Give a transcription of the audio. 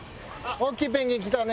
大きいペンギン来たね。